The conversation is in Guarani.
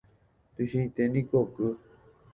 tuichaiténiko oky